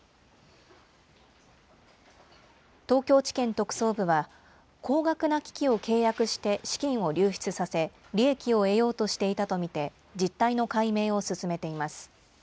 東京地検特捜部は、高額な機器を契約して資金を流出させ、利益を得ようとしていたと見て、実態の解明を進めています。